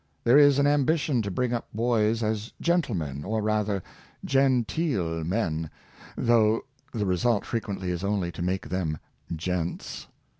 There is an ambition to bring up boys as gentlemen, or rather " genteel " men, though the result frequently is only to make them gents.